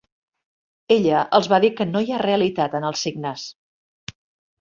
Ella els va dir que no hi ha realitat en els signes.